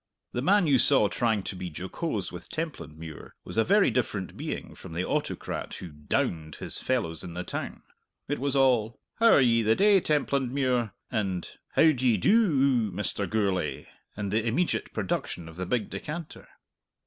The man you saw trying to be jocose with Templandmuir was a very different being from the autocrat who "downed" his fellows in the town. It was all "How are ye the day, Templandmuir?" and "How d'ye doo oo, Mr. Gourlay?" and the immediate production of the big decanter.